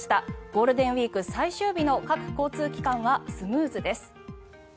ゴールデンウィーク最終日の各交通機関はスムーズです。